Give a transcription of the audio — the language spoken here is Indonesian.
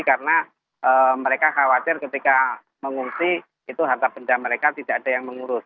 karena mereka khawatir ketika mengungsi itu harta benda mereka tidak ada yang mengurus